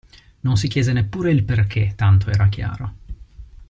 Non si chiese neppure il perché, tanto era chiaro.